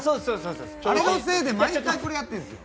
あれのせいで毎回これやってるんですよ。